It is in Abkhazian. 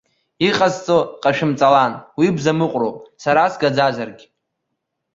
Иҟасҵо ҟашәымҵалан, уи бзамыҟәроуп, сара сгаӡазаргь.